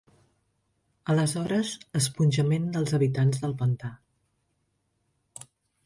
... aleshores "Esponjament dels habitants del pantà".